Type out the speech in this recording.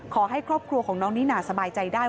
ขอให้ครอบครัวของน้องนิน่าสบายใจได้